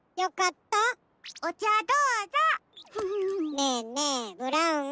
ねぇねぇブラウン。